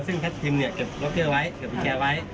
ซึ่งทัพทิมเก็บล็อเกอร์ไว้เก็บพี่แก้ไว้